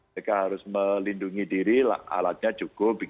mereka harus melindungi diri alatnya cukup